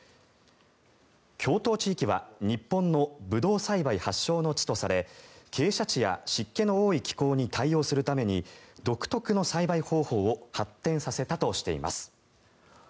峡東地域は日本のブドウ栽培発祥の地とされ傾斜地や湿気の多い気候に対応するために独特の栽培方法を発展させたとしています。